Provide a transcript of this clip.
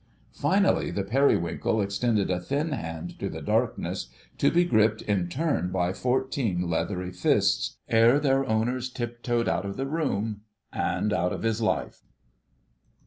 Finally, the Periwinkle extended a thin hand to the darkness, to be gripped in turn by fourteen leathery fists, ere their owners tiptoed out of the room and out of his life.